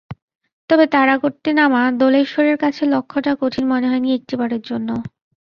তবে তাড়া করতে নামা দোলেশ্বরের কাছে লক্ষ্যটা কঠিন মনে হয়নি একটিবারের জন্যও।